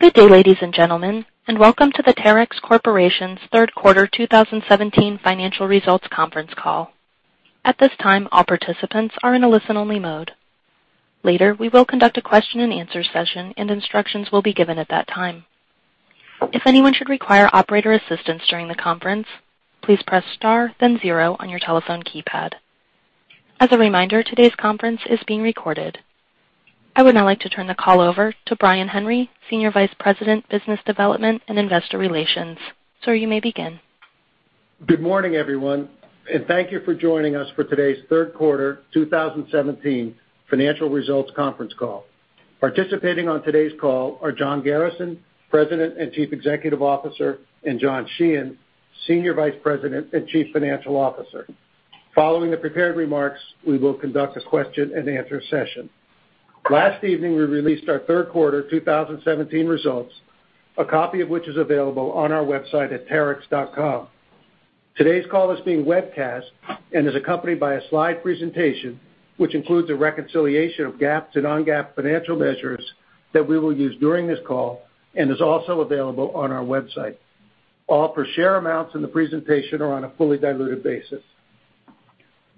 Good day, ladies and gentlemen, and welcome to the Terex Corporation's third quarter 2017 financial results conference call. At this time, all participants are in a listen-only mode. Later, we will conduct a question and answer session, and instructions will be given at that time. If anyone should require operator assistance during the conference, please press star then zero on your telephone keypad. As a reminder, today's conference is being recorded. I would now like to turn the call over to Brian Henry, Senior Vice President, Business Development and Investor Relations. Sir, you may begin. Good morning, everyone, and thank you for joining us for today's third quarter 2017 financial results conference call. Participating on today's call are John Garrison, President and Chief Executive Officer, and John Sheehan, Senior Vice President and Chief Financial Officer. Following the prepared remarks, we will conduct a question and answer session. Last evening, we released our third quarter 2017 results, a copy of which is available on our website at terex.com. Today's call is being webcast and is accompanied by a slide presentation, which includes a reconciliation of GAAP to non-GAAP financial measures that we will use during this call and is also available on our website. All per share amounts in the presentation are on a fully diluted basis.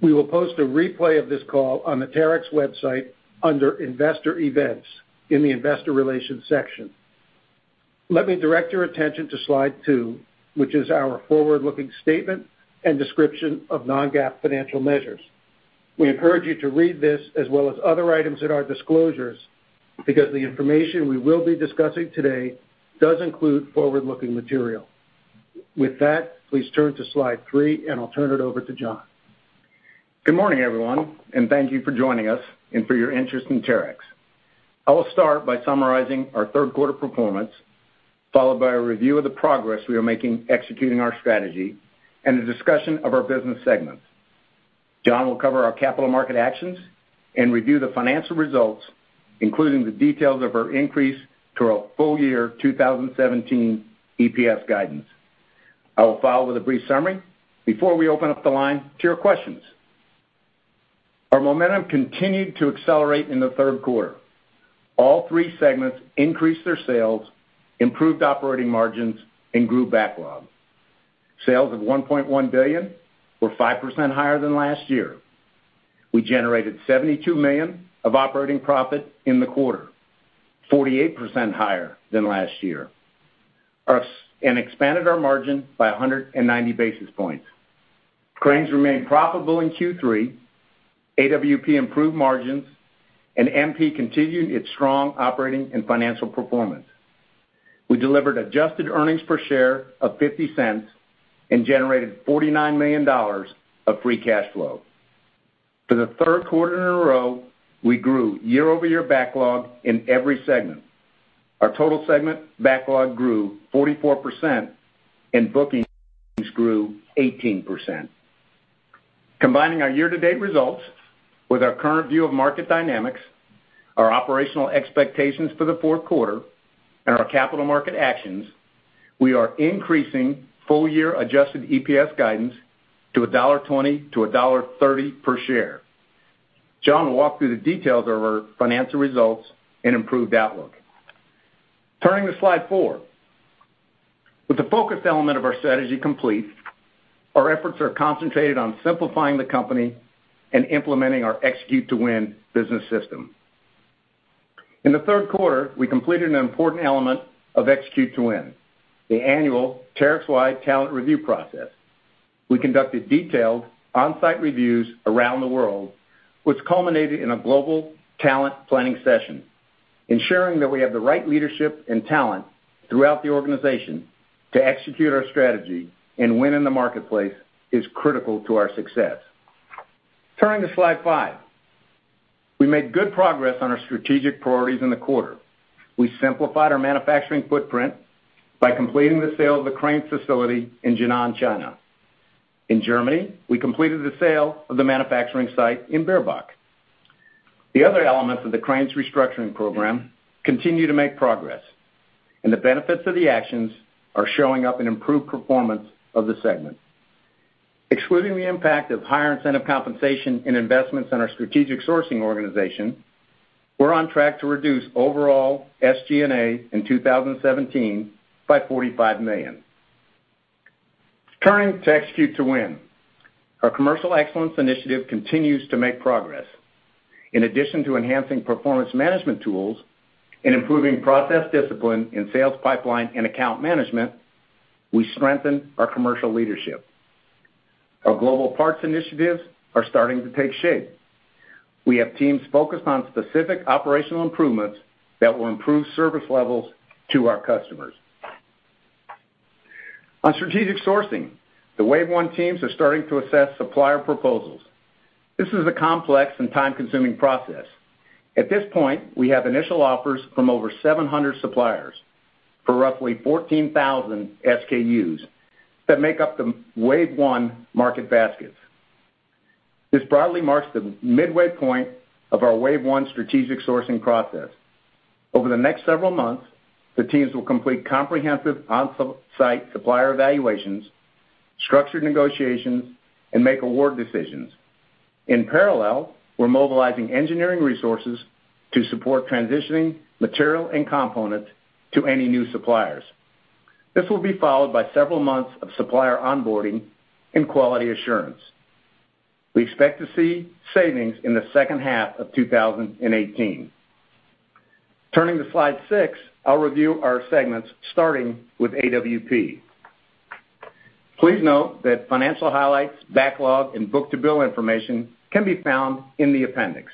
We will post a replay of this call on the Terex website under investor events in the investor relations section. Let me direct your attention to slide two, which is our forward-looking statement and description of non-GAAP financial measures. With that, please turn to slide three, I'll turn it over to John. Good morning, everyone, and thank you for joining us and for your interest in Terex. I will start by summarizing our third quarter performance, followed by a review of the progress we are making executing our strategy and a discussion of our business segments. John will cover our capital market actions and review the financial results, including the details of our increase to our full year 2017 EPS guidance. I will follow with a brief summary before we open up the line to your questions. Our momentum continued to accelerate in the third quarter. All three segments increased their sales, improved operating margins, and grew backlog. Sales of $1.1 billion were 5% higher than last year. We generated $72 million of operating profit in the quarter, 48% higher than last year, and expanded our margin by 190 basis points. Cranes remained profitable in Q3, AWP improved margins, and MP continued its strong operating and financial performance. We delivered adjusted EPS of $0.50 and generated $49 million of free cash flow. For the third quarter in a row, we grew year-over-year backlog in every segment. Our total segment backlog grew 44%, and bookings grew 18%. Combining our year-to-date results with our current view of market dynamics, our operational expectations for the fourth quarter, and our capital market actions, we are increasing full year adjusted EPS guidance to $1.20-$1.30 per share. John will walk through the details of our financial results and improved outlook. Turning to slide four. With the focus element of our strategy complete, our efforts are concentrated on simplifying the company and implementing our Execute to Win business system. In the third quarter, we completed an important element of Execute to Win, the annual Terex-wide talent review process. We conducted detailed on-site reviews around the world, which culminated in a global talent planning session. Ensuring that we have the right leadership and talent throughout the organization to execute our strategy and win in the marketplace is critical to our success. Turning to slide five. We made good progress on our strategic priorities in the quarter. We simplified our manufacturing footprint by completing the sale of the Cranes facility in Jinan, China. In Germany, we completed the sale of the manufacturing site in Bierbach. The other elements of the Cranes restructuring program continue to make progress, and the benefits of the actions are showing up in improved performance of the segment. Excluding the impact of higher incentive compensation and investments in our strategic sourcing organization, we're on track to reduce overall SG&A in 2017 by $45 million. Turning to Execute to Win. Our commercial excellence initiative continues to make progress. In addition to enhancing performance management tools and improving process discipline in sales pipeline and account management, we strengthened our commercial leadership. Our global parts initiatives are starting to take shape. We have teams focused on specific operational improvements that will improve service levels to our customers. On strategic sourcing, the wave one teams are starting to assess supplier proposals. This is a complex and time-consuming process. At this point, we have initial offers from over 700 suppliers for roughly 14,000 SKUs that make up the wave one market baskets. This broadly marks the midway point of our wave one strategic sourcing process. Over the next several months, the teams will complete comprehensive on-site supplier evaluations, structured negotiations, and make award decisions. In parallel, we're mobilizing engineering resources to support transitioning material and component to any new suppliers. This will be followed by several months of supplier onboarding and quality assurance. We expect to see savings in the second half of 2018. Turning to slide six, I'll review our segments, starting with AWP. Please note that financial highlights, backlog, and book-to-bill information can be found in the appendix.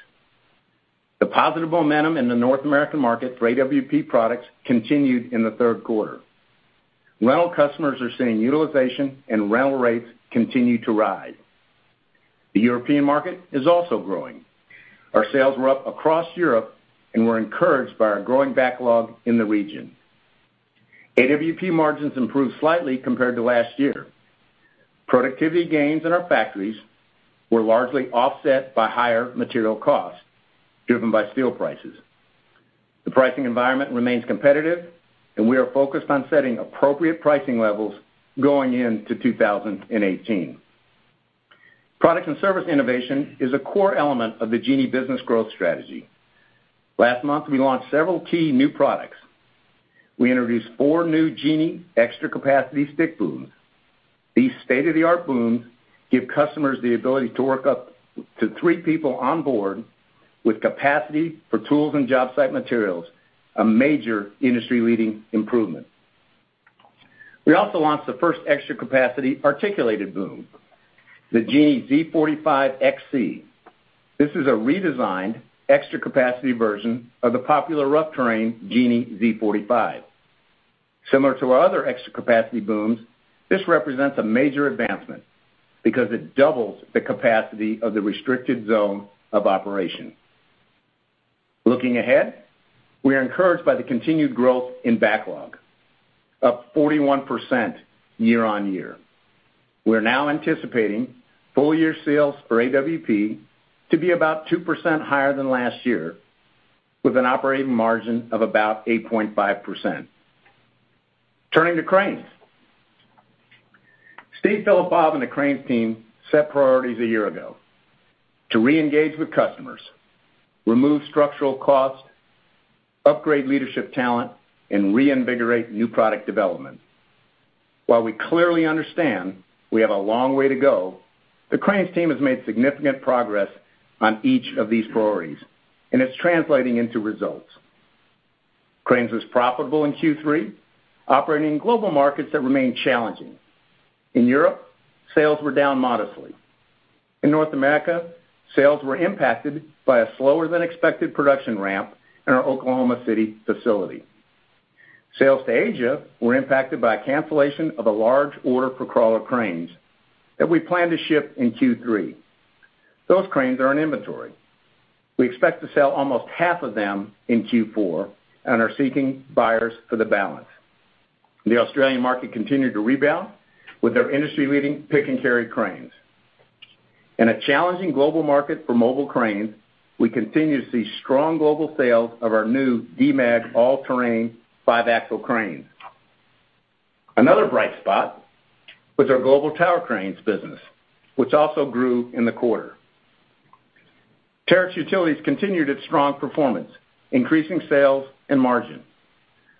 The positive momentum in the North American market for AWP products continued in the third quarter. Rental customers are seeing utilization and rental rates continue to rise. The European market is also growing. Our sales were up across Europe and were encouraged by our growing backlog in the region. AWP margins improved slightly compared to last year. Productivity gains in our factories were largely offset by higher material costs driven by steel prices. The pricing environment remains competitive, and we are focused on setting appropriate pricing levels going into 2018. Product and service innovation is a core element of the Genie business growth strategy. Last month, we launched several key new products. We introduced four new Genie extra-capacity stick booms. These state-of-the-art booms give customers the ability to work up to three people on board with capacity for tools and job site materials, a major industry-leading improvement. We also launched the first extra-capacity articulated boom, the Genie Z-45 XC. This is a redesigned extra-capacity version of the popular rough terrain Genie Z-45. Similar to our other extra-capacity booms, this represents a major advancement because it doubles the capacity of the restricted zone of operation. Looking ahead, we are encouraged by the continued growth in backlog, up 41% year-on-year. We are now anticipating full-year sales for AWP to be about 2% higher than last year, with an operating margin of about 8.5%. Turning to Cranes. Steve Filipov and the Cranes team set priorities a year ago to reengage with customers, remove structural costs, upgrade leadership talent, and reinvigorate new product development. While we clearly understand we have a long way to go, the Cranes team has made significant progress on each of these priorities, and it is translating into results. Cranes was profitable in Q3, operating in global markets that remain challenging. In Europe, sales were down modestly. In North America, sales were impacted by a slower-than-expected production ramp in our Oklahoma City facility. Sales to Asia were impacted by a cancellation of a large order for crawler cranes that we planned to ship in Q3. Those cranes are in inventory. We expect to sell almost half of them in Q4 and are seeking buyers for the balance. The Australian market continued to rebound with our industry-leading pick-and-carry cranes. In a challenging global market for mobile cranes, we continue to see strong global sales of our new Demag all-terrain five-axle cranes. Another bright spot was our global tower cranes business, which also grew in the quarter. Terex Utilities continued its strong performance, increasing sales and margin.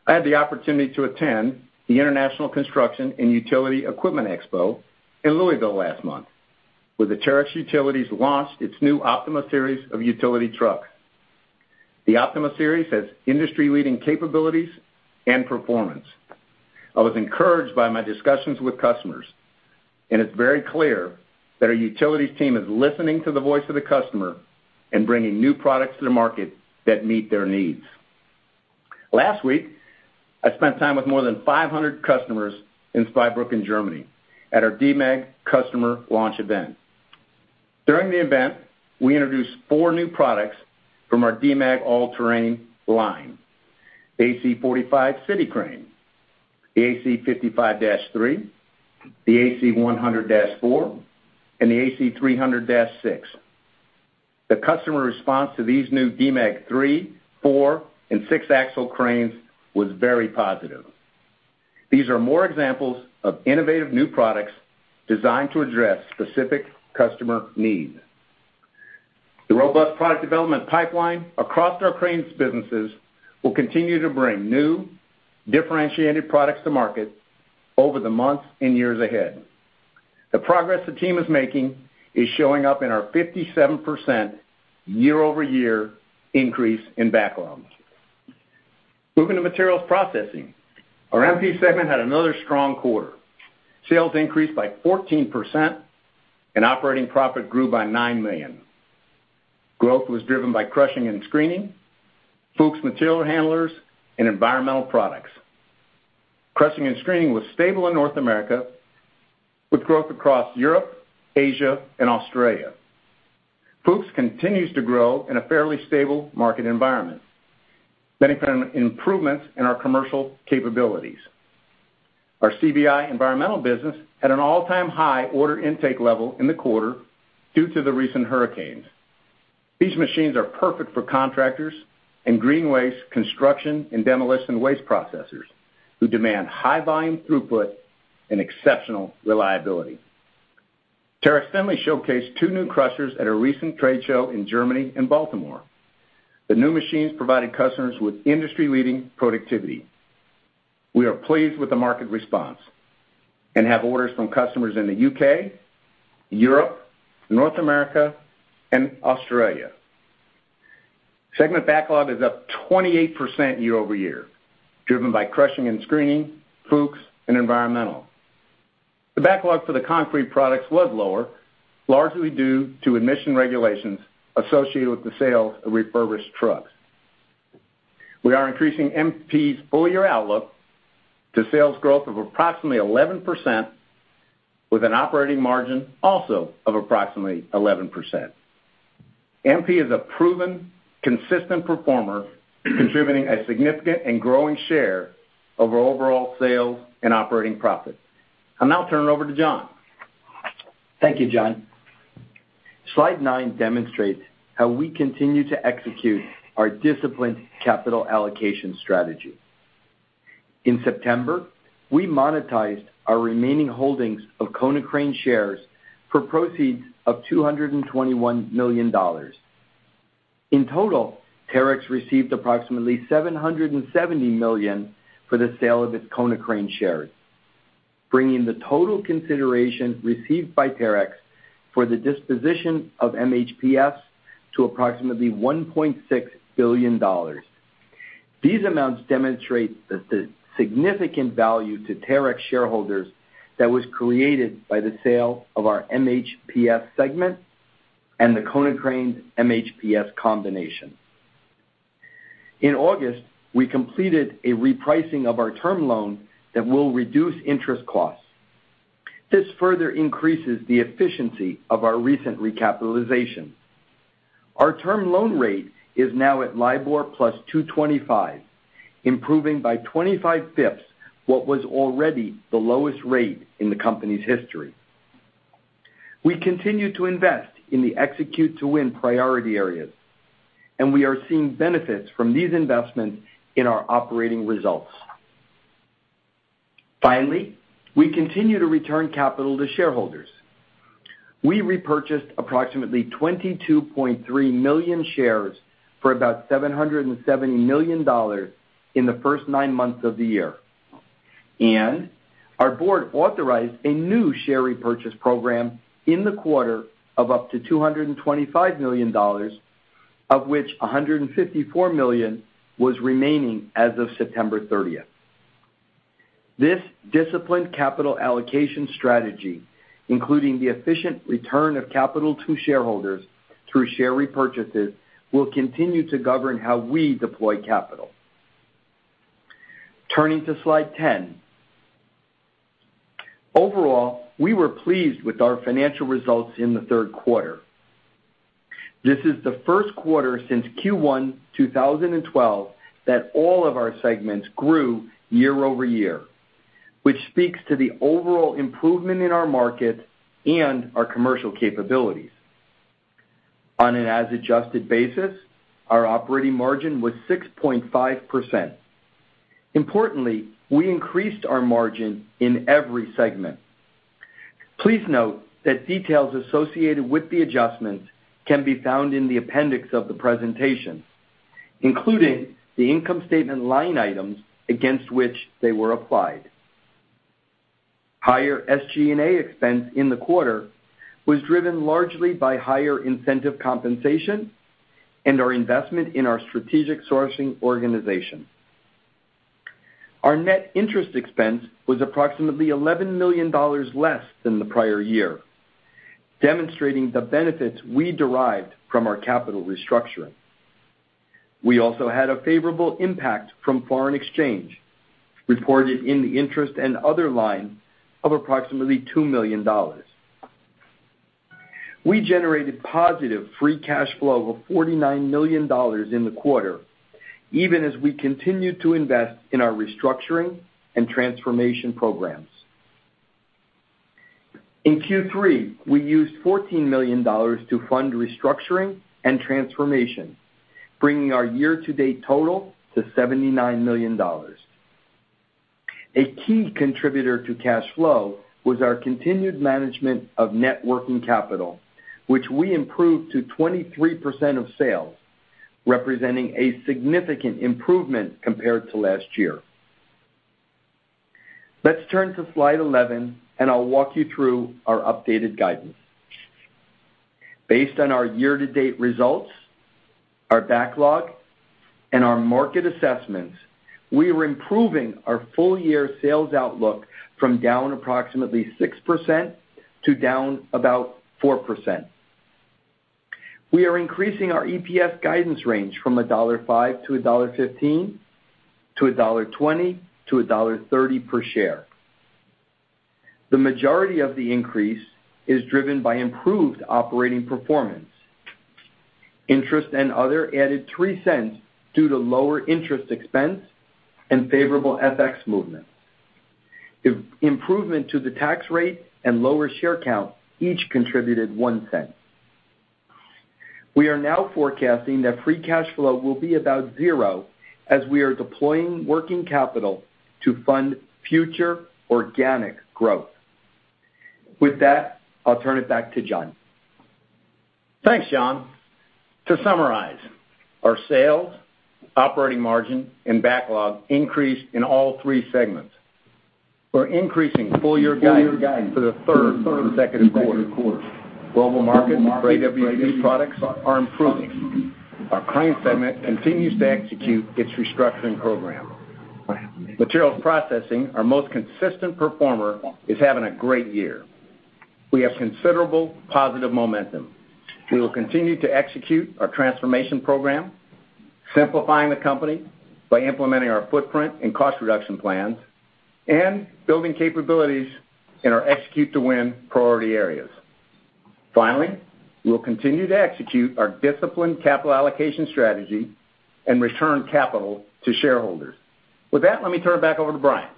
I had the opportunity to attend the International Construction and Utility Equipment Exposition in Louisville last month, where Terex Utilities launched its new Optima series of utility trucks. The Optima series has industry-leading capabilities and performance. I was encouraged by my discussions with customers. It is very clear that our utilities team is listening to the voice of the customer and bringing new products to the market that meet their needs. Last week, I spent time with more than 500 customers in Speyer, Germany, at our Demag customer launch event. During the event, we introduced four new products from our Demag all-terrain line: the AC 45 City, the AC 55-3, the AC 100-4, and the AC 300-6. The customer response to these new Demag three, four, and six-axle cranes was very positive. These are more examples of innovative new products designed to address specific customer needs. The robust product development pipeline across our Cranes businesses will continue to bring new, differentiated products to market over the months and years ahead. The progress the team is making is showing up in our 57% year-over-year increase in backlogs. Moving to Materials Processing. Our MP segment had another strong quarter. Sales increased by 14%, and operating profit grew by $9 million. Growth was driven by crushing and screening, Fuchs material handlers, and environmental products. Crushing and screening was stable in North America with growth across Europe, Asia, and Australia. Fuchs continues to grow in a fairly stable market environment, benefiting improvements in our commercial capabilities. Our CBI environmental business had an all-time high order intake level in the quarter due to the recent hurricanes. These machines are perfect for contractors and green waste construction and demolition waste processors who demand high volume throughput and exceptional reliability. Terex Finlay showcased two new crushers at a recent trade show in Germany and Baltimore. The new machines provided customers with industry-leading productivity. We are pleased with the market response and have orders from customers in the U.K., Europe, North America, and Australia. Segment backlog is up 28% year-over-year, driven by crushing and screening, Fuchs, and environmental. The backlog for the concrete products was lower, largely due to emission regulations associated with the sale of refurbished trucks. We are increasing MP's full-year outlook to sales growth of approximately 11% with an operating margin also of approximately 11%. MP is a proven, consistent performer, contributing a significant and growing share of our overall sales and operating profit. I'll now turn it over to John. Thank you, John. Slide nine demonstrates how we continue to execute our disciplined capital allocation strategy. In September, we monetized our remaining holdings of Konecranes shares for proceeds of $221 million. In total, Terex received approximately $770 million for the sale of its Konecranes shares, bringing the total consideration received by Terex for the disposition of MHPS to approximately $1.6 billion. These amounts demonstrate the significant value to Terex shareholders that was created by the sale of our MHPS segment and the Konecranes MHPS combination. In August, we completed a repricing of our term loan that will reduce interest costs. This further increases the efficiency of our recent recapitalization. Our term loan rate is now at LIBOR plus 225, improving by 25 bps what was already the lowest rate in the company's history. We continue to invest in the Execute to Win priority areas, and we are seeing benefits from these investments in our operating results. Finally, we continue to return capital to shareholders. We repurchased approximately 22.3 million shares for about $770 million in the first nine months of the year. Our board authorized a new share repurchase program in the quarter of up to $225 million, of which $154 million was remaining as of September 30th. This disciplined capital allocation strategy, including the efficient return of capital to shareholders through share repurchases, will continue to govern how we deploy capital. Turning to slide 10. Overall, we were pleased with our financial results in the third quarter. This is the first quarter since Q1 2012 that all of our segments grew year-over-year, which speaks to the overall improvement in our market and our commercial capabilities. On an as adjusted basis, our operating margin was 6.5%. Importantly, we increased our margin in every segment. Please note that details associated with the adjustments can be found in the appendix of the presentation, including the income statement line items against which they were applied. Higher SG&A expense in the quarter was driven largely by higher incentive compensation and our investment in our strategic sourcing organization. Our net interest expense was approximately $11 million less than the prior year, demonstrating the benefits we derived from our capital restructuring. We also had a favorable impact from foreign exchange reported in the interest and other line of approximately $2 million. We generated positive free cash flow of $49 million in the quarter, even as we continued to invest in our restructuring and transformation programs. In Q3, we used $14 million to fund restructuring and transformation, bringing our year-to-date total to $79 million. A key contributor to cash flow was our continued management of net working capital, which we improved to 23% of sales, representing a significant improvement compared to last year. Let's turn to slide 11, and I'll walk you through our updated guidance. Based on our year-to-date results, our backlog, and our market assessments, we are improving our full-year sales outlook from down approximately 6% to down about 4%. We are increasing our EPS guidance range from $1.05-$1.15 to $1.20-$1.30 per share. The majority of the increase is driven by improved operating performance. Interest and other added $0.03 due to lower interest expense and favorable FX movements. Improvement to the tax rate and lower share count each contributed $0.01. We are now forecasting that free cash flow will be about zero as we are deploying working capital to fund future organic growth. With that, I'll turn it back to John. Thanks, John. To summarize, our sales, operating margin, and backlog increased in all three segments. We're increasing full-year guidance for the third consecutive quarter. Global market and AWP products are improving. Our Cranes segment continues to execute its restructuring program. Materials Processing, our most consistent performer, is having a great year. We have considerable positive momentum. We will continue to execute our transformation program, simplifying the company by implementing our footprint and cost reduction plans, and building capabilities in our Execute to Win priority areas. Finally, we will continue to execute our disciplined capital allocation strategy and return capital to shareholders. With that, let me turn it back over to Brian.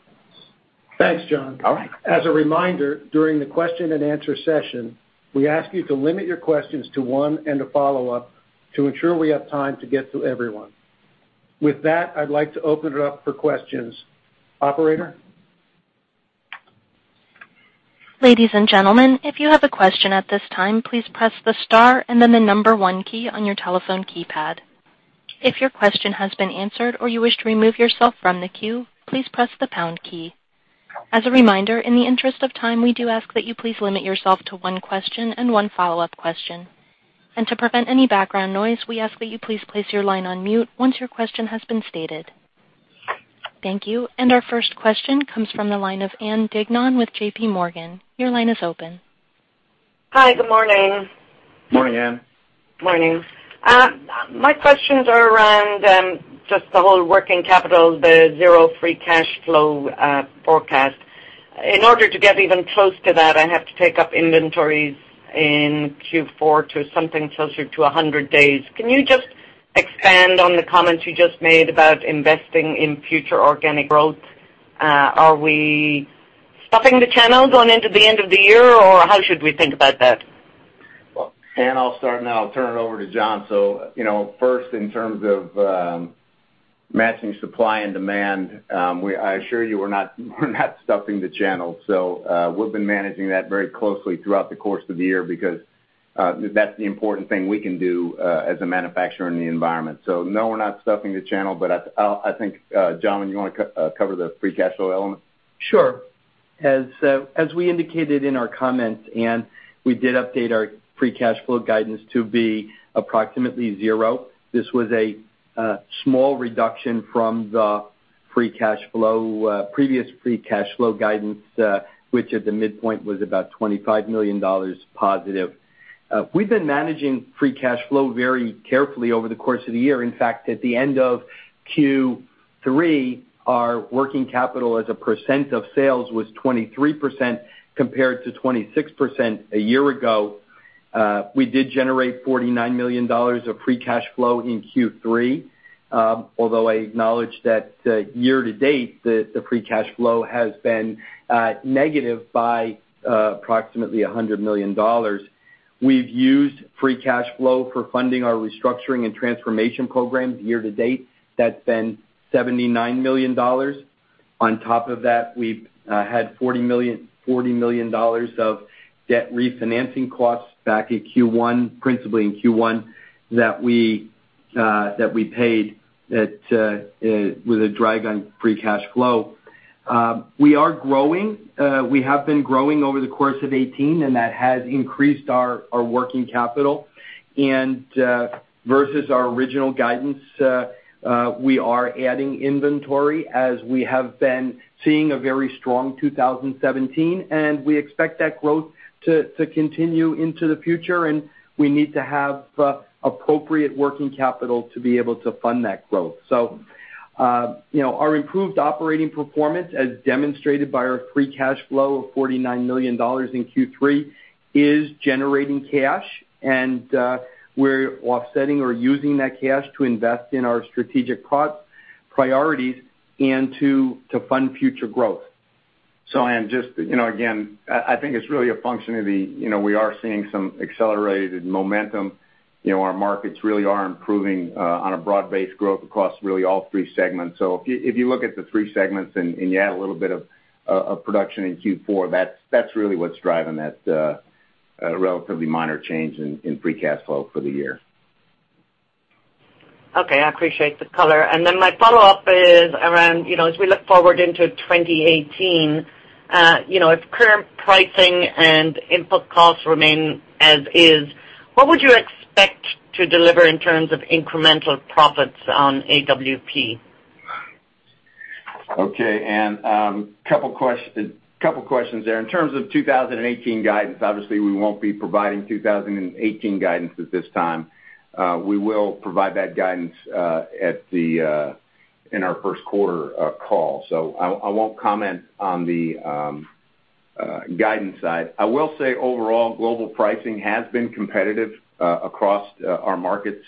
Thanks, John. All right. As a reminder, during the question and answer session, we ask you to limit your questions to one and a follow-up to ensure we have time to get to everyone. With that, I'd like to open it up for questions. Operator? Ladies and gentlemen, if you have a question at this time, please press the star and then the number 1 key on your telephone keypad. If your question has been answered or you wish to remove yourself from the queue, please press the pound key. As a reminder, in the interest of time, we do ask that you please limit yourself to one question and one follow-up question. To prevent any background noise, we ask that you please place your line on mute once your question has been stated. Thank you. Our first question comes from the line of Ann Duignan with JPMorgan. Your line is open. Hi, good morning. Morning, Ann. Morning. My questions are around just the whole working capital, the zero free cash flow forecast. In order to get even close to that, I have to take up inventories in Q4 to something closer to 100 days. Can you just expand on the comments you just made about investing in future organic growth? Are we stuffing the channel going into the end of the year, or how should we think about that? Well, Ann, I'll start, and then I'll turn it over to John. First, in terms of matching supply and demand, I assure you we're not stuffing the channel. We've been managing that very closely throughout the course of the year because that's the important thing we can do as a manufacturer in the environment. No, we're not stuffing the channel, but I think, John, you want to cover the free cash flow element? Sure. As we indicated in our comments, Ann, we did update our free cash flow guidance to be approximately zero. This was a small reduction from the previous free cash flow guidance, which at the midpoint was about $25 million positive. We've been managing free cash flow very carefully over the course of the year. In fact, at the end of Q3, our working capital as a percent of sales was 23% compared to 26% a year ago. We did generate $49 million of free cash flow in Q3. Although I acknowledge that year-to-date, the free cash flow has been negative by approximately $100 million. We've used free cash flow for funding our restructuring and transformation programs year-to-date. That's been $79 million. On top of that, we've had $40 million of debt refinancing costs back in Q1, principally in Q1, that we paid with a drag on free cash flow. We are growing. We have been growing over the course of 2018, and that has increased our working capital. Versus our original guidance, we are adding inventory as we have been seeing a very strong 2017, and we expect that growth to continue into the future, and we need to have appropriate working capital to be able to fund that growth. Our improved operating performance, as demonstrated by our free cash flow of $49 million in Q3, is generating cash, and we're offsetting or using that cash to invest in our strategic priorities and to fund future growth. Ann, just again, I think it's really a function of we are seeing some accelerated momentum. Our markets really are improving on a broad-based growth across really all three segments. If you look at the three segments and you add a little bit of production in Q4, that's really what's driving that relatively minor change in free cash flow for the year. Okay. I appreciate the color. My follow-up is around, as we look forward into 2018, if current pricing and input costs remain as is, what would you expect to deliver in terms of incremental profits on AWP? Okay, Ann, couple questions there. In terms of 2018 guidance, obviously, we won't be providing 2018 guidance at this time. We will provide that guidance in our first quarter call. I won't comment on the Guidance side. I will say overall global pricing has been competitive across our markets.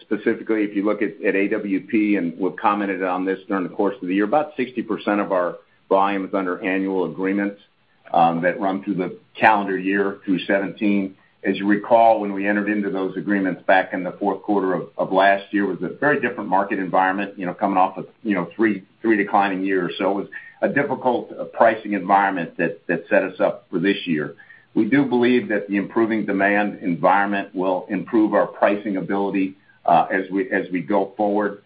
Specifically, if you look at AWP, and we've commented on this during the course of the year, about 60% of our volume is under annual agreements that run through the calendar year through 2017. As you recall, when we entered into those agreements back in the fourth quarter of last year, it was a very different market environment, coming off of three declining years. It was a difficult pricing environment that set us up for this year. We do believe that the improving demand environment will improve our pricing ability as we go forward.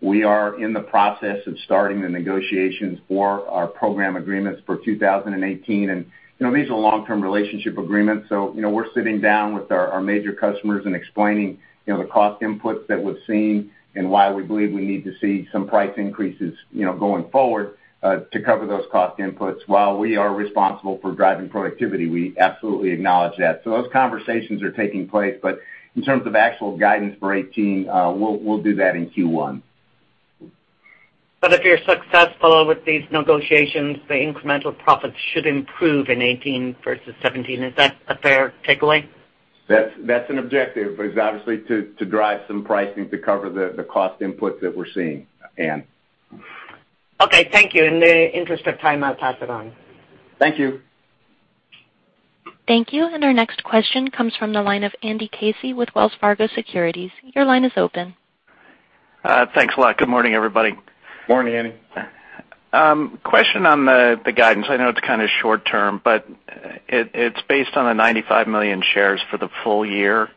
We are in the process of starting the negotiations for our program agreements for 2018. These are long-term relationship agreements, so we're sitting down with our major customers and explaining the cost inputs that we've seen and why we believe we need to see some price increases going forward to cover those cost inputs. While we are responsible for driving productivity, we absolutely acknowledge that. Those conversations are taking place, but in terms of actual guidance for 2018, we'll do that in Q1. If you're successful with these negotiations, the incremental profits should improve in 2018 versus 2017. Is that a fair takeaway? That's an objective, it's obviously to drive some pricing to cover the cost inputs that we're seeing, Ann. Okay. Thank you. In the interest of time, I'll pass it on. Thank you. Thank you. Our next question comes from the line of Andrew Casey with Wells Fargo Securities. Your line is open. Thanks a lot. Good morning, everybody. Morning, Andy. Question on the guidance. I know it's kind of short term, but it's based on the 95 million shares for the full year.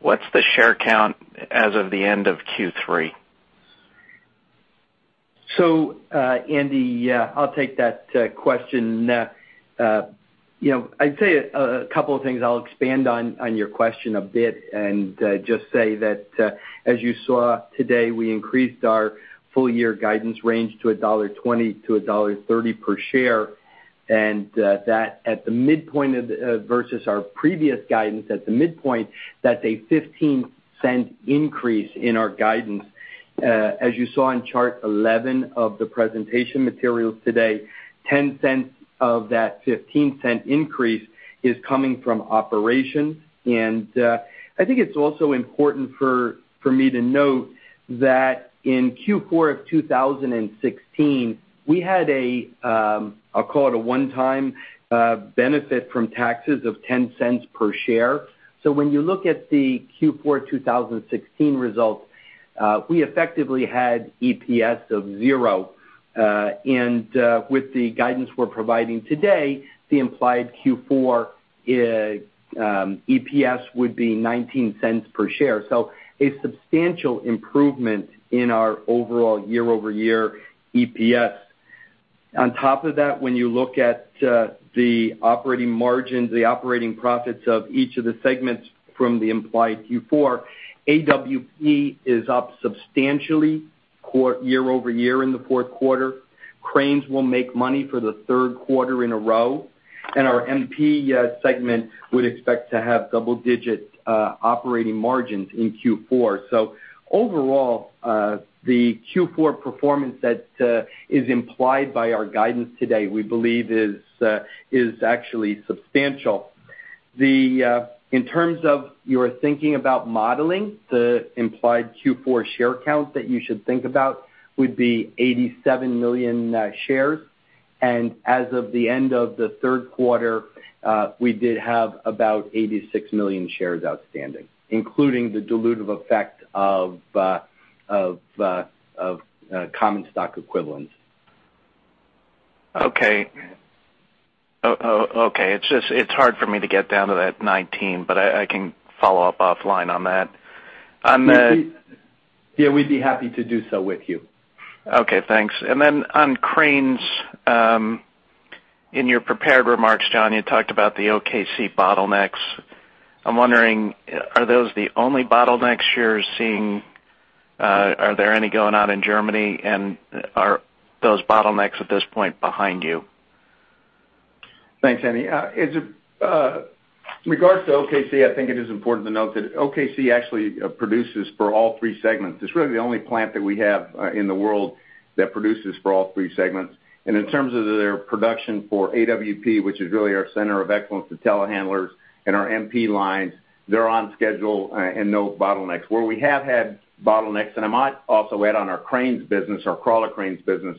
What's the share count as of the end of Q3? Andy, I'll take that question. I'd say a couple of things. I'll expand on your question a bit and just say that, as you saw today, we increased our full year guidance range to $1.20-$1.30 per share. Versus our previous guidance at the midpoint, that's a $0.15 increase in our guidance. As you saw on Chart 11 of the presentation materials today, $0.10 of that $0.15 increase is coming from operations. I think it's also important for me to note that in Q4 of 2016, we had a, I'll call it a one-time benefit from taxes of $0.10 per share. When you look at the Q4 2016 results, we effectively had EPS of zero. With the guidance we're providing today, the implied Q4 EPS would be $0.19 per share. A substantial improvement in our overall year-over-year EPS. On top of that, when you look at the operating margins, the operating profits of each of the segments from the implied Q4, AWP is up substantially year-over-year in the fourth quarter. Cranes will make money for the third quarter in a row, and our MP segment would expect to have double-digit operating margins in Q4. Overall, the Q4 performance that is implied by our guidance today, we believe is actually substantial. In terms of your thinking about modeling, the implied Q4 share count that you should think about would be 87 million shares. As of the end of the third quarter, we did have about 86 million shares outstanding, including the dilutive effect of common stock equivalents. Okay. It's just hard for me to get down to that 19, but I can follow up offline on that. Yeah, we'd be happy to do so with you. Okay, thanks. Then on Cranes, in your prepared remarks, John, you talked about the OKC bottlenecks. I'm wondering, are those the only bottlenecks you're seeing? Are there any going on in Germany? Are those bottlenecks at this point behind you? Thanks, Andy. In regards to OKC, I think it is important to note that OKC actually produces for all three segments. It's really the only plant that we have in the world that produces for all three segments. In terms of their production for AWP, which is really our center of excellence for telehandlers and our MP lines, they're on schedule and no bottlenecks. Where we have had bottlenecks, and I might also add on our Cranes business, our Crawler Cranes business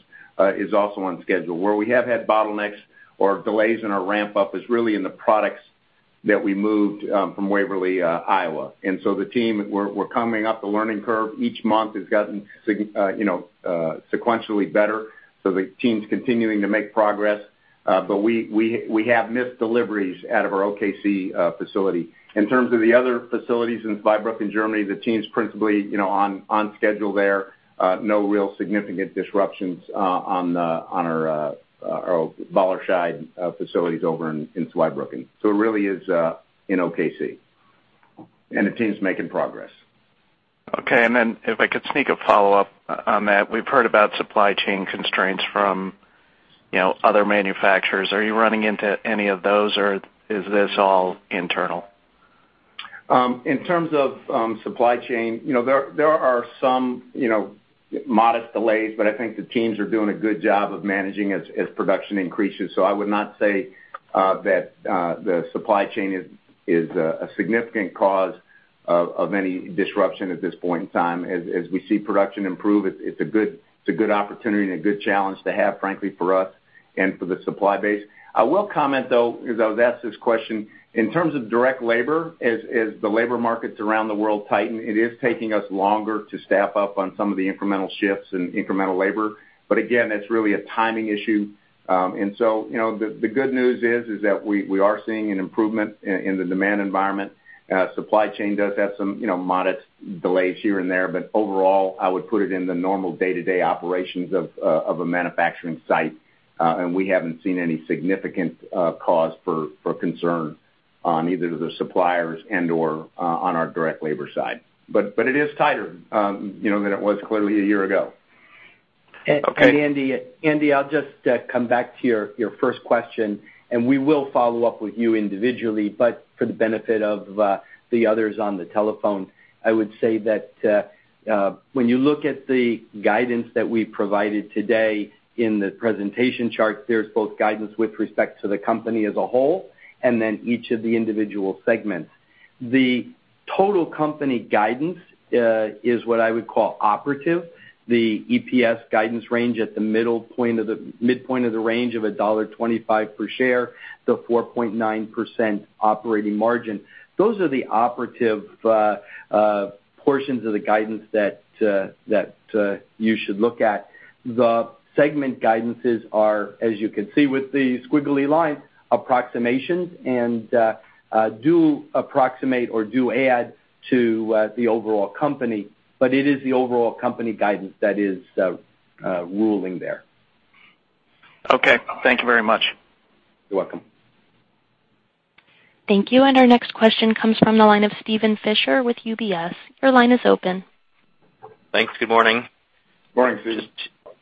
is also on schedule. Where we have had bottlenecks or delays in our ramp up is really in the products that we moved from Waverly, Iowa. The team, we're coming up the learning curve. Each month has gotten sequentially better. The team's continuing to make progress. We have missed deliveries out of our OKC facility. In terms of the other facilities in Zweibrücken, Germany, the team's principally on schedule there. No real significant disruptions on our Wallerscheid facilities over in Zweibrücken. It really is in OKC. The team's making progress. Okay. If I could sneak a follow-up on that. We've heard about supply chain constraints from other manufacturers. Are you running into any of those, or is this all internal? In terms of supply chain, there are some modest delays, but I think the teams are doing a good job of managing as production increases. I would not say that the supply chain is a significant cause of any disruption at this point in time. As we see production improve, it's a good opportunity and a good challenge to have, frankly, for us and for the supply base. I will comment, though, because I was asked this question, in terms of direct labor, as the labor markets around the world tighten, it is taking us longer to staff up on some of the incremental shifts and incremental labor. Again, it's really a timing issue. The good news is that we are seeing an improvement in the demand environment. Supply chain does have some modest delays here and there, but overall, I would put it in the normal day-to-day operations of a manufacturing site. We haven't seen any significant cause for concern on either the suppliers and/or on our direct labor side. It is tighter than it was clearly a year ago. Okay. Andy, I'll just come back to your first question, and we will follow up with you individually, but for the benefit of the others on the telephone, I would say that when you look at the guidance that we provided today in the presentation charts, there's both guidance with respect to the company as a whole, and then each of the individual segments. The total company guidance is what I would call operative. The EPS guidance range at the midpoint of the range of $1.25 per share, the 4.9% operating margin. Those are the operative portions of the guidance that you should look at. The segment guidances are, as you can see with the squiggly line, approximations and do approximate or do add to the overall company, but it is the overall company guidance that is ruling there. Okay. Thank you very much. You're welcome. Thank you. Our next question comes from the line of Steven Fisher with UBS. Your line is open. Thanks. Good morning. Morning, Steven.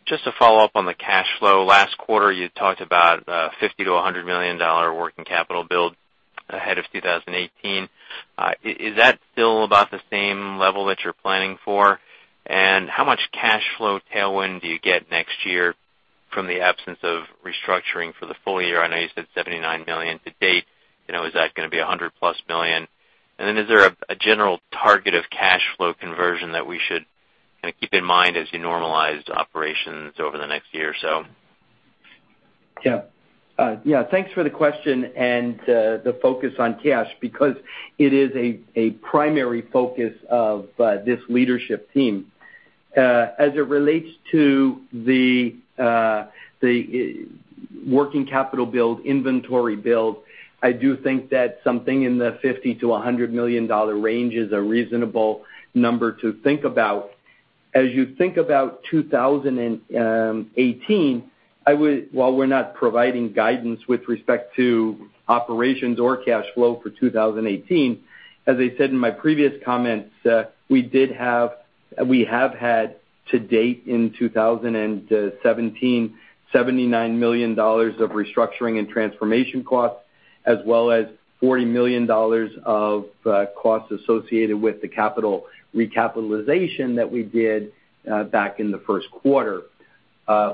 Just to follow up on the cash flow. Last quarter, you talked about $50 million-$100 million working capital build ahead of 2018. Is that still about the same level that you're planning for? How much cash flow tailwind do you get next year from the absence of restructuring for the full year? I know you said $79 million to date. Is that going to be $100 million-plus? Is there a general target of cash flow conversion that we should kind of keep in mind as you normalize operations over the next year or so? Yeah. Thanks for the question and the focus on cash, because it is a primary focus of this leadership team. As it relates to the working capital build, inventory build, I do think that something in the $50 million-$100 million range is a reasonable number to think about. As you think about 2018, while we're not providing guidance with respect to operations or cash flow for 2018, as I said in my previous comments, we have had to date in 2017, $79 million of restructuring and transformation costs, as well as $40 million of costs associated with the recapitalization that we did back in the first quarter.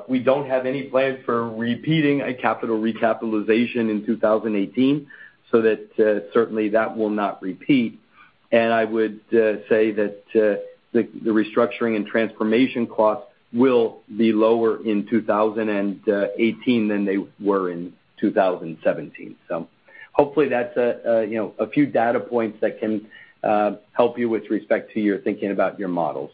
We don't have any plans for repeating a capital recapitalization in 2018. That certainly that will not repeat. I would say that the restructuring and transformation costs will be lower in 2018 than they were in 2017. Hopefully that's a few data points that can help you with respect to your thinking about your models.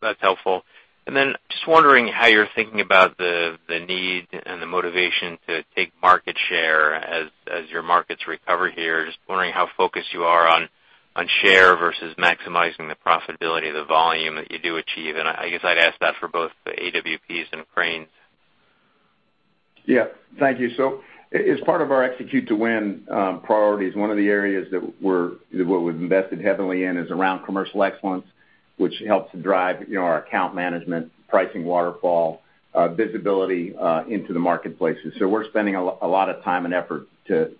That's helpful. Just wondering how you're thinking about the need and the motivation to take market share as your markets recover here. Just wondering how focused you are on share versus maximizing the profitability of the volume that you do achieve. I guess I'd ask that for both the AWPs and cranes. Yeah. Thank you. As part of our Execute to Win priorities, one of the areas that we've invested heavily in is around commercial excellence, which helps to drive our account management, pricing waterfall, visibility into the marketplaces. We're spending a lot of time and effort to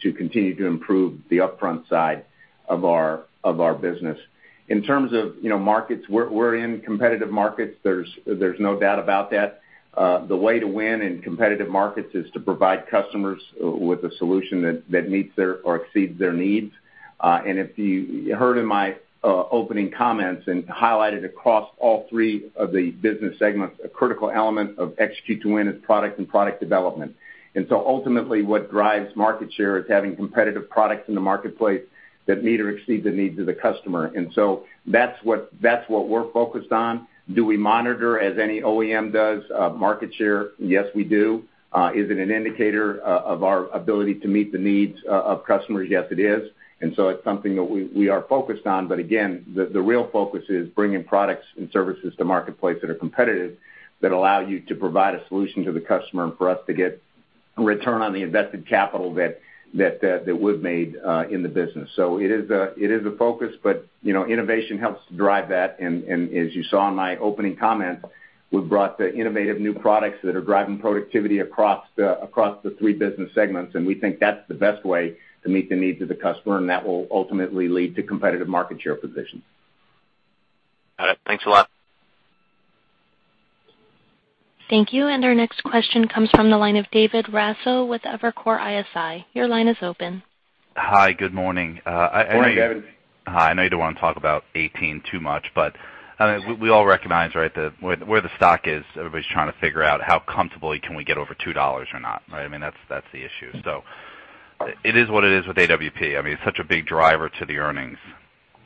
continue to improve the upfront side of our business. In terms of markets, we're in competitive markets. There's no doubt about that. The way to win in competitive markets is to provide customers with a solution that meets or exceeds their needs. If you heard in my opening comments and highlighted across all three of the business segments, a critical element of Execute to Win is product and product development. Ultimately, what drives market share is having competitive products in the marketplace that meet or exceed the needs of the customer. That's what we're focused on. Do we monitor, as any OEM does, market share? Yes, we do. Is it an indicator of our ability to meet the needs of customers? Yes, it is. It's something that we are focused on. Again, the real focus is bringing products and services to marketplace that are competitive, that allow you to provide a solution to the customer and for us to get return on the invested capital that we've made in the business. It is a focus, but innovation helps to drive that, and as you saw in my opening comments, we've brought the innovative new products that are driving productivity across the three business segments, and we think that's the best way to meet the needs of the customer, and that will ultimately lead to competitive market share positions. Got it. Thanks a lot. Thank you. Our next question comes from the line of David Raso with Evercore ISI. Your line is open. Hi, good morning. Good morning, David. Hi. I know you don't want to talk about 2018 too much, we all recognize where the stock is. Everybody's trying to figure out how comfortably can we get over $2 or not, right? That's the issue. It is what it is with AWP. It's such a big driver to the earnings.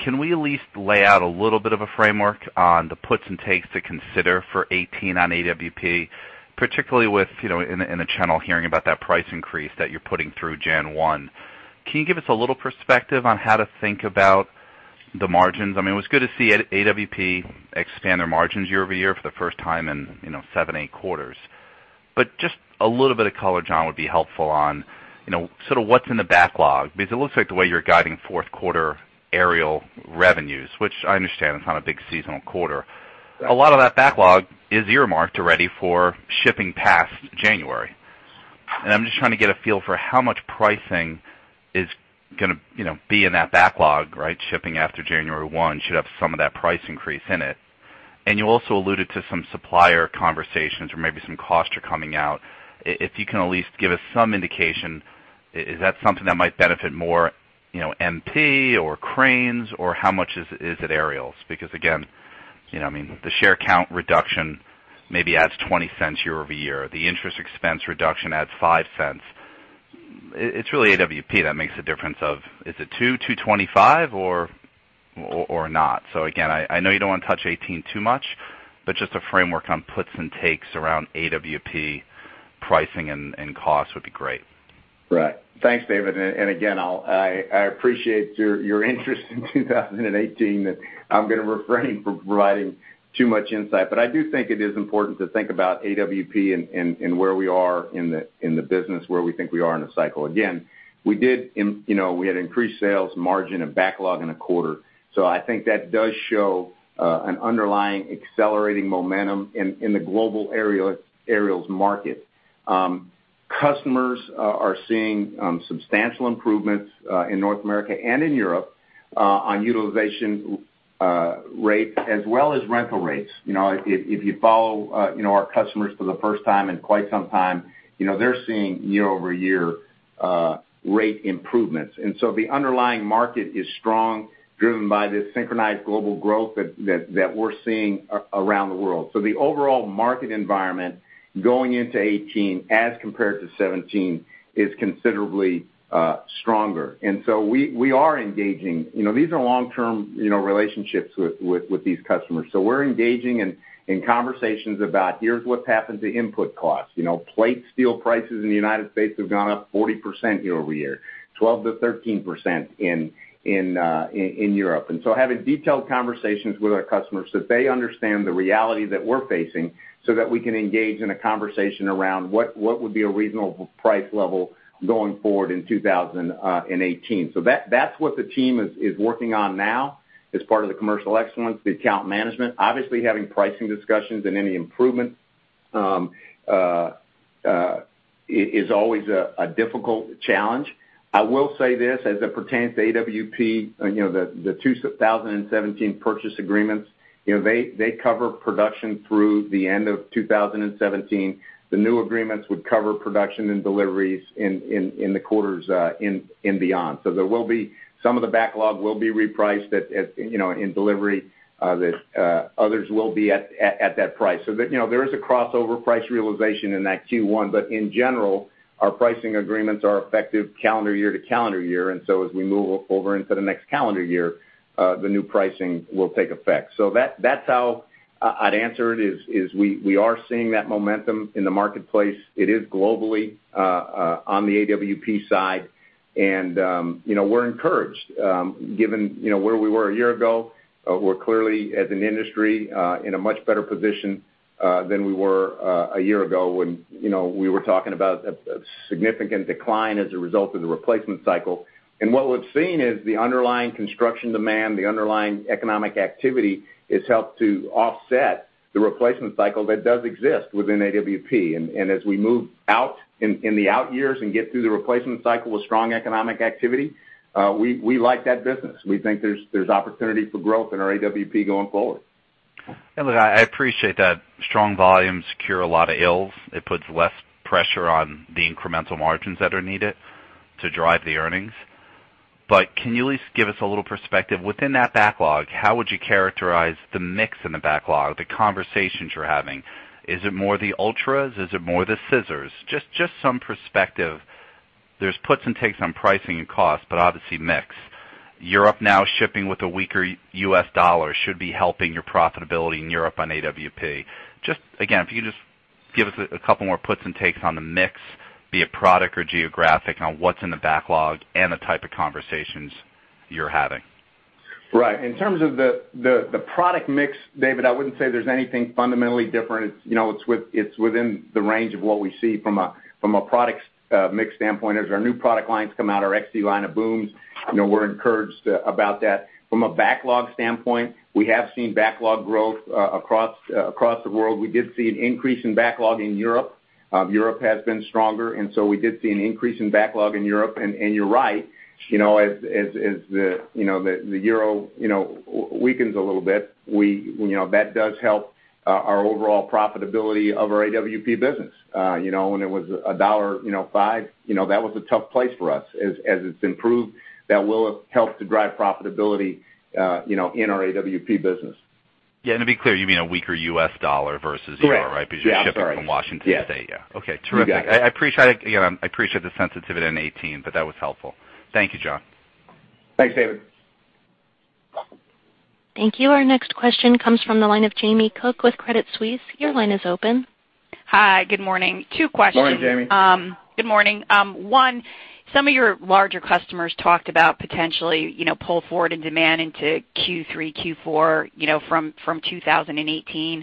Can we at least lay out a little bit of a framework on the puts and takes to consider for 2018 on AWP, particularly with, in the channel, hearing about that price increase that you're putting through January 1? Can you give us a little perspective on how to think about the margins? It was good to see AWP expand their margins year-over-year for the first time in 7, 8 quarters. Just a little bit of color, John, would be helpful on sort of what's in the backlog. It looks like the way you're guiding fourth quarter aerial revenues, which I understand is not a big seasonal quarter. A lot of that backlog is earmarked already for shipping past January. I'm just trying to get a feel for how much pricing is going to be in that backlog, right? Shipping after January 1 should have some of that price increase in it. You also alluded to some supplier conversations or maybe some costs are coming out. If you can at least give us some indication, is that something that might benefit more MP or cranes, or how much is it aerials? Again, the share count reduction maybe adds $0.20 year-over-year. The interest expense reduction adds $0.05. It's really AWP that makes a difference of, is it $2, $2.25, or not? Again, I know you don't want to touch 2018 too much, but just a framework on puts and takes around AWP pricing and cost would be great. Right. Thanks, David. Again, I appreciate your interest in 2018, that I'm going to refrain from providing too much insight. I do think it is important to think about AWP and where we are in the business, where we think we are in the cycle. Again, we had increased sales margin and backlog in a quarter. I think that does show an underlying accelerating momentum in the global aerials market. Customers are seeing substantial improvements in North America and in Europe on utilization rates as well as rental rates. If you follow our customers for the first time in quite some time, they're seeing year-over-year rate improvements. The underlying market is strong, driven by this synchronized global growth that we're seeing around the world. The overall market environment going into 2018 as compared to 2017 is considerably stronger. We are engaging. These are long-term relationships with these customers. We're engaging in conversations about here is what's happened to input costs. Plate steel prices in the United States have gone up 40% year-over-year, 12%-13% in Europe. Having detailed conversations with our customers so they understand the reality that we're facing so that we can engage in a conversation around what would be a reasonable price level going forward in 2018. That's what the team is working on now as part of the commercial excellence, the account management. Obviously, having pricing discussions and any improvement is always a difficult challenge. I will say this, as it pertains to AWP, the 2017 purchase agreements, they cover production through the end of 2017. The new agreements would cover production and deliveries in the quarters and beyond. Some of the backlog will be repriced in delivery. Others will be at that price. There is a crossover price realization in that Q1. In general, our pricing agreements are effective calendar year to calendar year. As we move over into the next calendar year, the new pricing will take effect. That's how I'd answer it, is we are seeing that momentum in the marketplace. It is globally on the AWP side. We're encouraged given where we were a year ago. We're clearly, as an industry, in a much better position than we were a year ago when we were talking about a significant decline as a result of the replacement cycle. What we've seen is the underlying construction demand, the underlying economic activity, has helped to offset the replacement cycle that does exist within AWP. As we move out in the out years and get through the replacement cycle with strong economic activity, we like that business. We think there's opportunity for growth in our AWP going forward. Look, I appreciate that strong volumes cure a lot of ills. It puts less pressure on the incremental margins that are needed to drive the earnings. Can you at least give us a little perspective within that backlog, how would you characterize the mix in the backlog, the conversations you're having? Is it more the ultras? Is it more the scissors? Just some perspective. There's puts and takes on pricing and cost, but obviously mix. Europe now shipping with a weaker U.S. dollar should be helping your profitability in Europe on AWP. Just again, if you could just give us a couple more puts and takes on the mix, be it product or geographic, on what's in the backlog and the type of conversations you're having? Right. In terms of the product mix, David, I wouldn't say there's anything fundamentally different. It's within the range of what we see from a product mix standpoint. As our new product lines come out, our XC line of booms, we're encouraged about that. From a backlog standpoint, we have seen backlog growth across the world. We did see an increase in backlog in Europe. Europe has been stronger, so we did see an increase in backlog in Europe. You're right As the Euro weakens a little bit, that does help our overall profitability of our AWP business. When it was $1.05, that was a tough place for us. As it's improved, that will help to drive profitability in our AWP business. Yeah, to be clear, you mean a weaker US dollar versus euro, right? Correct. Yeah, I'm sorry. Because you're shipping from Washington State. Yeah. Okay. Terrific. You got it. I appreciate the sensitivity on 2018, that was helpful. Thank you, John. Thanks, David. Thank you. Our next question comes from the line of Jamie Cook with Credit Suisse. Your line is open. Hi. Good morning. Two questions. Morning, Jamie. Good morning. One, some of your larger customers talked about potentially pull forward in demand into Q3, Q4 from 2018.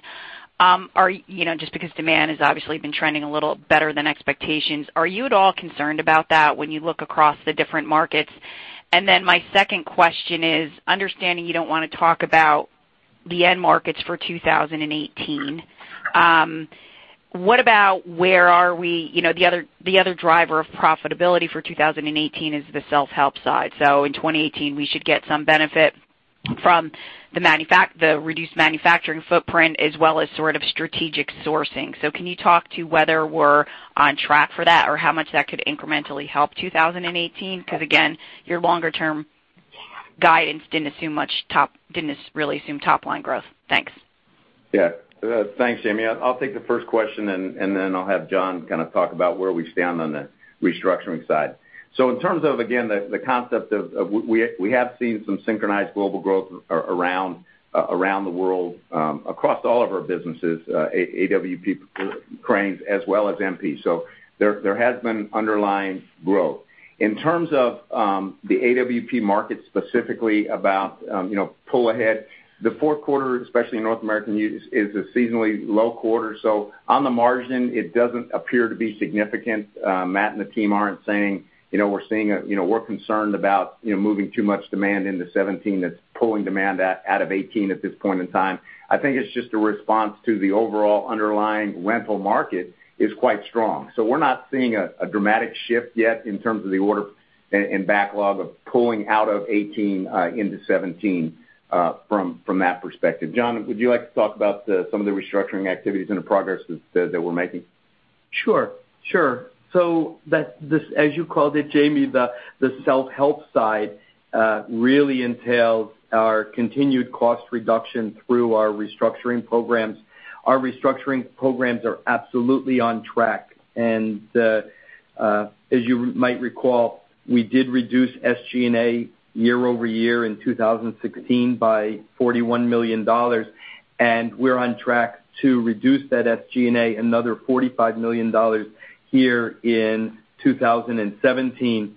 Just because demand has obviously been trending a little better than expectations. Are you at all concerned about that when you look across the different markets? My second question is, understanding you don't want to talk about the end markets for 2018, what about where are we, the other driver of profitability for 2018 is the self-help side. In 2018, we should get some benefit from the reduced manufacturing footprint as well as sort of strategic sourcing. Can you talk to whether we're on track for that, or how much that could incrementally help 2018? Because again, your longer-term guidance didn't really assume top-line growth. Thanks. Thanks, Jamie. I'll take the first question, and then I'll have John kind of talk about where we stand on the restructuring side. In terms of, again, the concept of we have seen some synchronized global growth around the world, across all of our businesses, AWP, Cranes, as well as MP. There has been underlying growth. In terms of the AWP market, specifically about pull ahead, the fourth quarter, especially in North America is a seasonally low quarter. On the margin, it doesn't appear to be significant. Matt and the team aren't saying, we're concerned about moving too much demand into 2017 that's pulling demand out of 2018 at this point in time. I think it's just a response to the overall underlying rental market is quite strong. We're not seeing a dramatic shift yet in terms of the order and backlog of pulling out of 2018 into 2017 from that perspective. John, would you like to talk about some of the restructuring activities and the progress that we're making? Sure. As you called it, Jamie Cook, the self-help side really entails our continued cost reduction through our restructuring programs. Our restructuring programs are absolutely on track, and as you might recall, we did reduce SGA year-over-year in 2016 by $41 million. We're on track to reduce that SGA another $45 million here in 2017,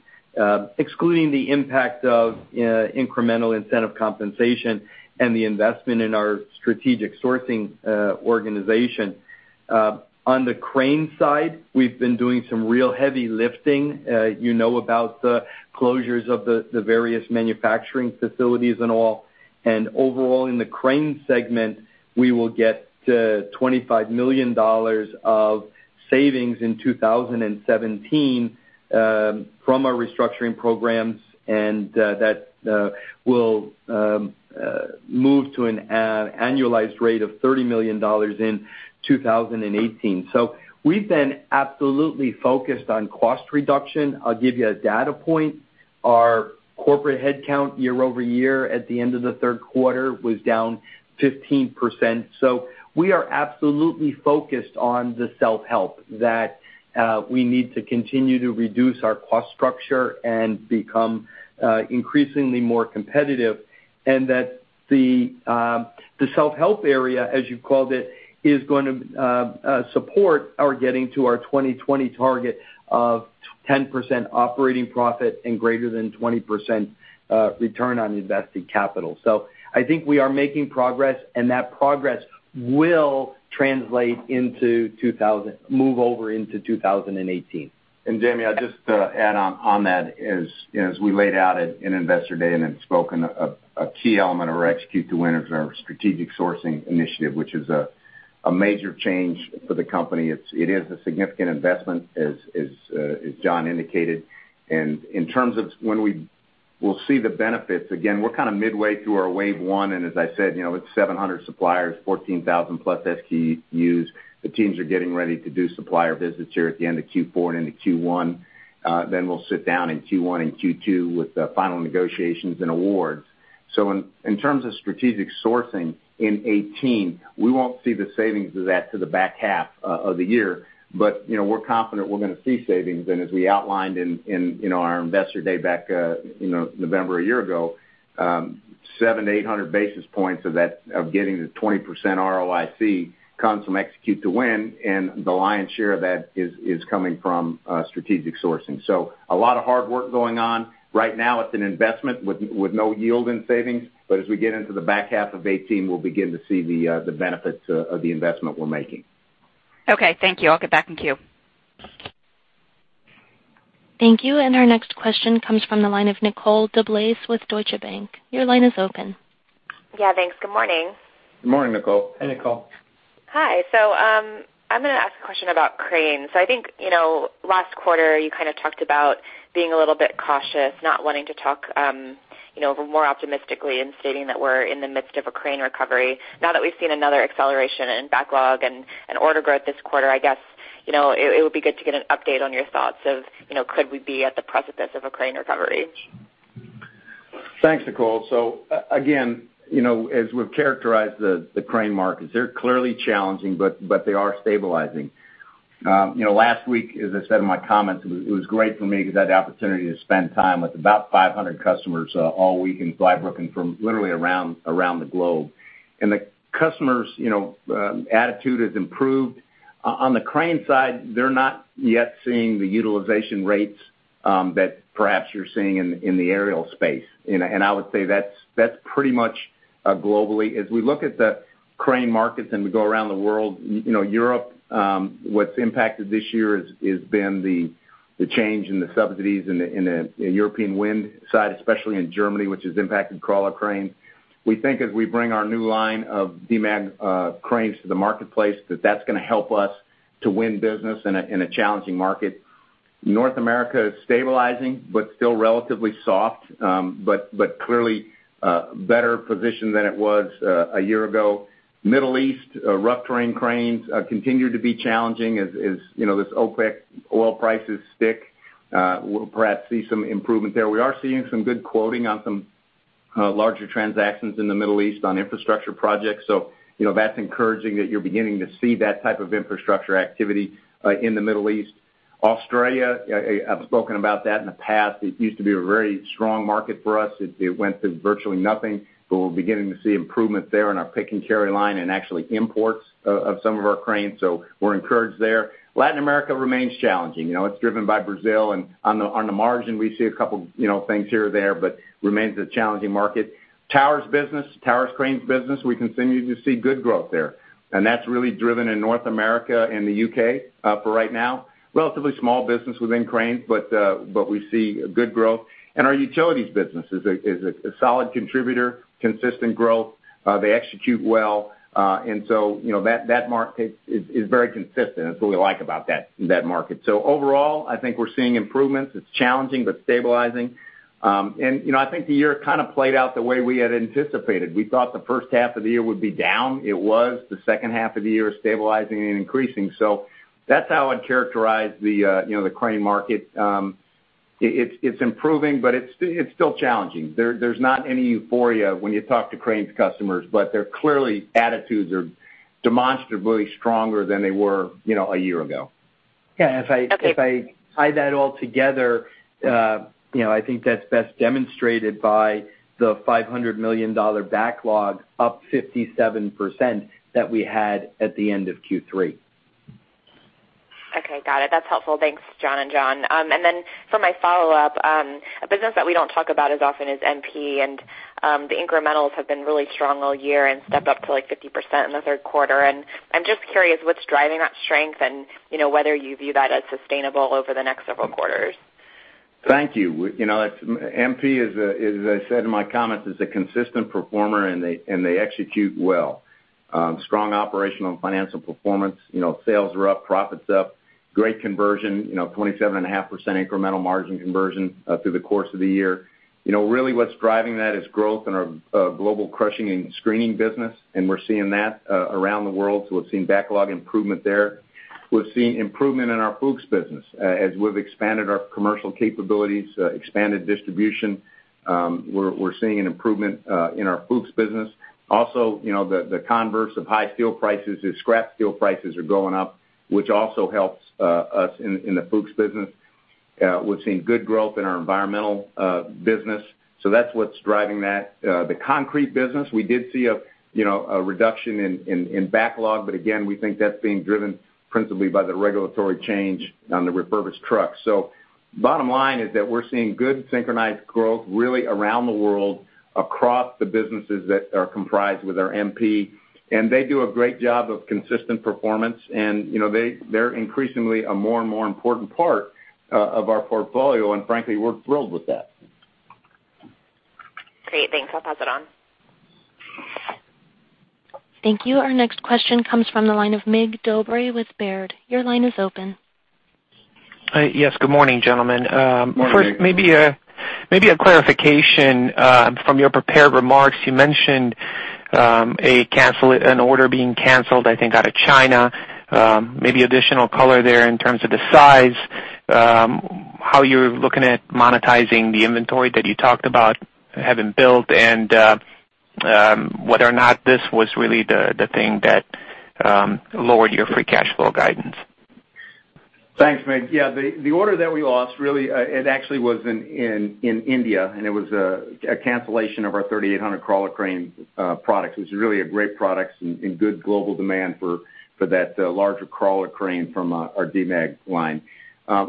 excluding the impact of incremental incentive compensation and the investment in our strategic sourcing organization. On the Crane side, we've been doing some real heavy lifting. You know about the closures of the various manufacturing facilities and all. Overall, in the Crane segment, we will get $25 million of savings in 2017 from our restructuring programs, and that will move to an annualized rate of $30 million in 2018. We've been absolutely focused on cost reduction. I'll give you a data point. Our corporate headcount year-over-year at the end of the third quarter was down 15%. We are absolutely focused on the self-help that we need to continue to reduce our cost structure and become increasingly more competitive, and that the self-help area, as you called it, is going to support our getting to our 2020 target of 10% operating profit and greater than 20% return on invested capital. I think we are making progress, and that progress will move over into 2018. Jamie Cook, I'll just add on that, as we laid out in Investor Day and then spoken, a key element of our Execute to Win is our strategic sourcing initiative, which is a major change for the company. It is a significant investment, as John Garrison indicated. In terms of when we'll see the benefits, again, we're kind of midway through our wave 1, and as I said, it's 700 suppliers, 14,000 plus SKUs. The teams are getting ready to do supplier visits here at the end of Q4 and into Q1. We'll sit down in Q1 and Q2 with the final negotiations and awards. In terms of strategic sourcing in 2018, we won't see the savings of that till the back half of the year. We're confident we're going to see savings. As we outlined in our Investor Day back November a year ago, 700 to 800 basis points of getting to 20% ROIC comes from Execute to Win, and the lion's share of that is coming from strategic sourcing. A lot of hard work going on. Right now, it's an investment with no yield in savings. As we get into the back half of 2018, we'll begin to see the benefits of the investment we're making. Okay. Thank you. I'll get back in queue. Thank you. Our next question comes from the line of Nicole DeBlase with Deutsche Bank. Your line is open. Yeah, thanks. Good morning. Good morning, Nicole. Hey, Nicole. Hi. I'm going to ask a question about cranes. I think last quarter you talked about being a little bit cautious, not wanting to talk more optimistically and stating that we're in the midst of a crane recovery. That we've seen another acceleration in backlog and order growth this quarter, I guess it would be good to get an update on your thoughts of, could we be at the precipice of a crane recovery? Thanks, Nicole. Again, as we've characterized the crane markets, they're clearly challenging, but they are stabilizing. Last week, as I said in my comments, it was great for me because I had the opportunity to spend time with about 500 customers all week in Flybrook and from literally around the globe. The customers' attitude has improved. On the crane side, they're not yet seeing the utilization rates that perhaps you're seeing in the aerial space. I would say that's pretty much globally. As we look at the crane markets and we go around the world, Europe, what's impacted this year has been the change in the subsidies in the European wind side, especially in Germany, which has impacted crawler cranes. We think as we bring our new line of Demag cranes to the marketplace, that's going to help us to win business in a challenging market. North America is stabilizing, but still relatively soft. Clearly better positioned than it was a year ago. Middle East, rough terrain cranes continue to be challenging as OPEC oil prices stick. We'll perhaps see some improvement there. We are seeing some good quoting on some larger transactions in the Middle East on infrastructure projects. That's encouraging that you're beginning to see that type of infrastructure activity in the Middle East. Australia, I've spoken about that in the past. It used to be a very strong market for us. It went to virtually nothing, but we're beginning to see improvements there in our pick and carry line and actually imports of some of our cranes. We're encouraged there. Latin America remains challenging. It's driven by Brazil, and on the margin, we see a couple things here or there, but remains a challenging market. Towers cranes business, we continue to see good growth there, and that's really driven in North America and the U.K. for right now. Relatively small business within cranes, but we see good growth. Our utilities business is a solid contributor, consistent growth. They execute well. That market is very consistent. That's what we like about that market. Overall, I think we're seeing improvements. It's challenging, but stabilizing. I think the year kind of played out the way we had anticipated. We thought the first half of the year would be down. It was. The second half of the year is stabilizing and increasing. That's how I'd characterize the crane market. It's improving, but it's still challenging. There's not any euphoria when you talk to cranes customers, but they're clearly attitudes are demonstrably stronger than they were a year ago. If I tie that all together, I think that's best demonstrated by the $500 million backlog, up 57%, that we had at the end of Q3. Okay. Got it. That's helpful. Thanks, John and John. For my follow-up, a business that we don't talk about as often is MP and the incrementals have been really strong all year and stepped up to 50% in the third quarter. I'm just curious what's driving that strength and whether you view that as sustainable over the next several quarters. Thank you. MP, as I said in my comments, is a consistent performer, and they execute well. Strong operational and financial performance. Sales are up, profits up. Great conversion, 27.5% incremental margin conversion through the course of the year. Really what's driving that is growth in our global crushing and screening business, and we're seeing that around the world. We're seeing backlog improvement there. We're seeing improvement in our Fuchs business. As we've expanded our commercial capabilities, expanded distribution, we're seeing an improvement in our Fuchs business. Also, the converse of high steel prices is scrap steel prices are going up, which also helps us in the Fuchs business. We've seen good growth in our environmental business. That's what's driving that. The concrete business, we did see a reduction in backlog, but again, we think that's being driven principally by the regulatory change on the refurbished trucks. Bottom line is that we're seeing good synchronized growth really around the world across the businesses that are comprised with our MP, and they do a great job of consistent performance. They're increasingly a more and more important part of our portfolio, and frankly, we're thrilled with that. Great. Thanks. I'll pass it on. Thank you. Our next question comes from the line of Mig Dobre with Baird. Your line is open. Yes, good morning, gentlemen. Morning. Maybe a clarification from your prepared remarks. You mentioned an order being canceled, I think, out of China. Maybe additional color there in terms of the size, how you're looking at monetizing the inventory that you talked about having built, and whether or not this was really the thing that lowered your free cash flow guidance. Thanks, Mig. The order that we lost, it actually was in India, and it was a cancellation of our 3800 crawler crane product. It was a great product and good global demand for that larger crawler crane from our Demag line.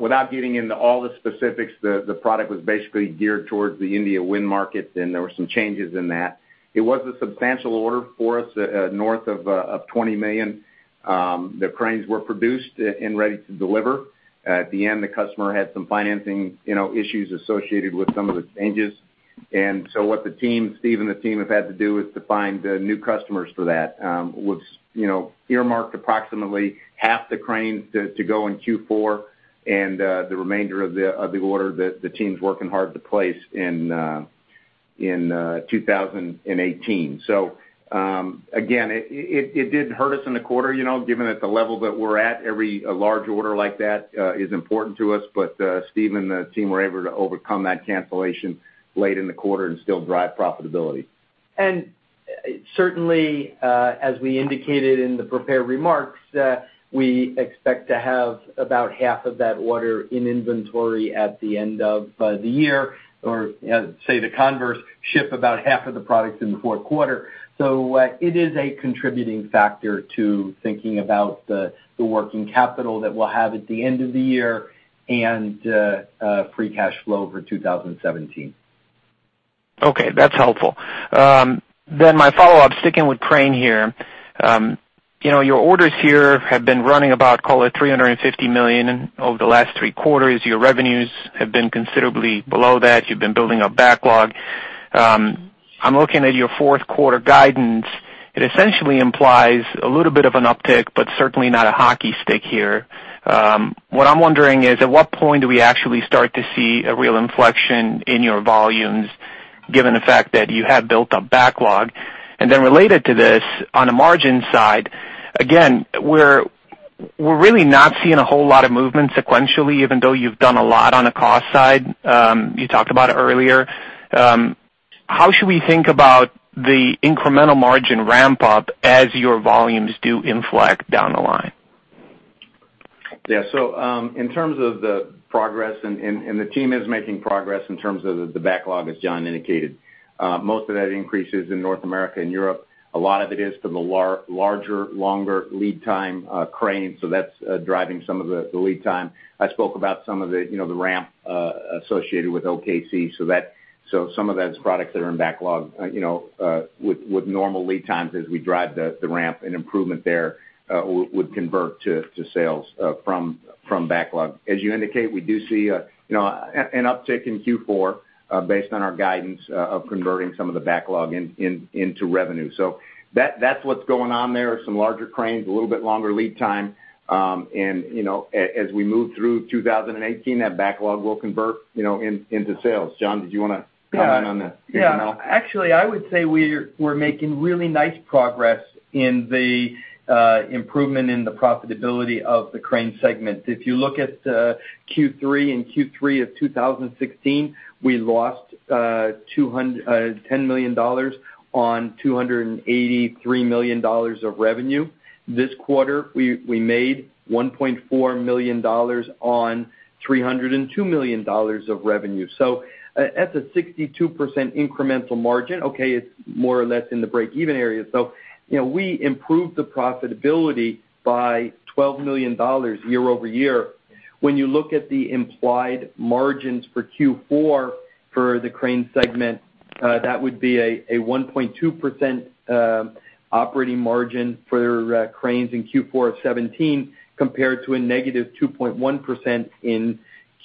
Without getting into all the specifics, the product was basically geared towards the India wind market, and there were some changes in that. It was a substantial order for us, north of $20 million. The cranes were produced and ready to deliver. At the end, the customer had some financing issues associated with some of the changes. What Steve and the team have had to do is to find new customers for that. We've earmarked approximately half the cranes to go in Q4, and the remainder of the order, the team's working hard to place in 2018. Again, it did hurt us in the quarter, given that the level that we're at, every large order like that is important to us. Steve and the team were able to overcome that cancellation late in the quarter and still drive profitability. Certainly, as we indicated in the prepared remarks, we expect to have about half of that order in inventory at the end of the year. Say the converse, ship about half of the products in the fourth quarter. It is a contributing factor to thinking about the working capital that we'll have at the end of the year and free cash flow for 2017. Okay, that's helpful. My follow-up, sticking with Cranes here. Your orders here have been running about, call it $350 million over the last three quarters. Your revenues have been considerably below that. You've been building up backlog. I'm looking at your fourth quarter guidance. It essentially implies a little bit of an uptick, but certainly not a hockey stick here. What I'm wondering is, at what point do we actually start to see a real inflection in your volumes, given the fact that you have built a backlog? Related to this, on the margin side, again, we're really not seeing a whole lot of movement sequentially, even though you've done a lot on the cost side. You talked about it earlier. How should we think about the incremental margin ramp-up as your volumes do inflect down the line? Yeah. In terms of the progress, the team is making progress in terms of the backlog, as John indicated. Most of that increase is in North America and Europe. A lot of it is from the larger, longer lead time cranes, so that's driving some of the lead time. I spoke about some of the ramp associated with OKC. Some of that is products that are in backlog with normal lead times as we drive the ramp, and improvement there would convert to sales from backlog. As you indicate, we do see an uptick in Q4 based on our guidance of converting some of the backlog into revenue. That's what's going on there are some larger cranes, a little bit longer lead time. As we move through 2018, that backlog will convert into sales. John, did you want to comment on that at all? Yeah. Actually, I would say we're making really nice progress in the improvement in the profitability of the Cranes segment. If you look at Q3 of 2016, we lost $10 million on $283 million of revenue. This quarter, we made $1.4 million on $302 million of revenue. That's a 62% incremental margin. Okay, it's more or less in the break-even area. We improved the profitability by $12 million year-over-year. When you look at the implied margins for Q4 for the Cranes segment, that would be a 1.2% operating margin for Cranes in Q4 of 2017 compared to a negative 2.1% in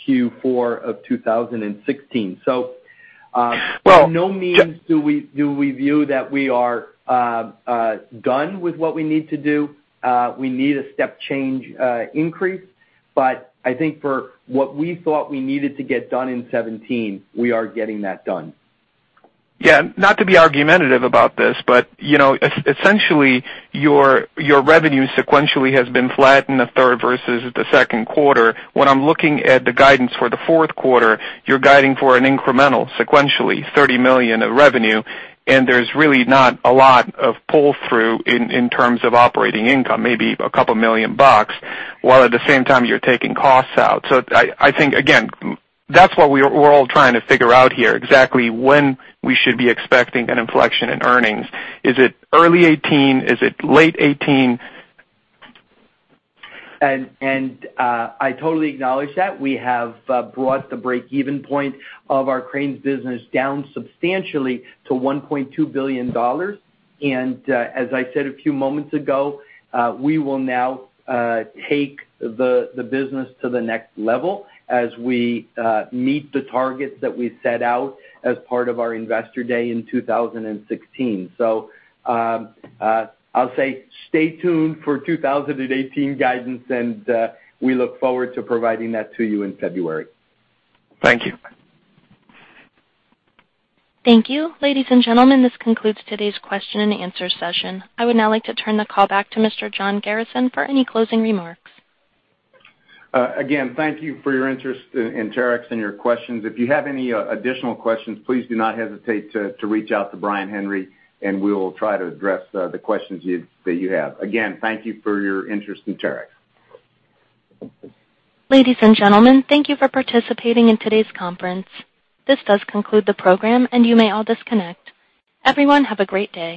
Q4 of 2016. Well- By no means do we view that we are done with what we need to do. We need a step change increase. I think for what we thought we needed to get done in 2017, we are getting that done. Not to be argumentative about this, essentially, your revenue sequentially has been flat in the third versus the second quarter. When I'm looking at the guidance for the fourth quarter, you're guiding for an incremental, sequentially, $30 million of revenue, and there's really not a lot of pull-through in terms of operating income, maybe a couple million USD, while at the same time, you're taking costs out. I think, again, that's what we're all trying to figure out here, exactly when we should be expecting an inflection in earnings. Is it early 2018? Is it late 2018? I totally acknowledge that. We have brought the break-even point of our Cranes business down substantially to $1.2 billion. As I said a few moments ago, we will now take the business to the next level as we meet the targets that we set out as part of our investor day in 2016. I'll say stay tuned for 2018 guidance, and we look forward to providing that to you in February. Thank you. Thank you. Ladies and gentlemen, this concludes today's question and answer session. I would now like to turn the call back to Mr. John Garrison for any closing remarks. Again, thank you for your interest in Terex and your questions. If you have any additional questions, please do not hesitate to reach out to Brian Henry, and we will try to address the questions that you have. Again, thank you for your interest in Terex. Ladies and gentlemen, thank you for participating in today's conference. This does conclude the program, and you may all disconnect. Everyone, have a great day.